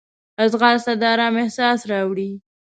ځغاسته د آرام احساس راوړي